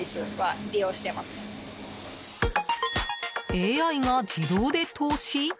ＡＩが自動で投資？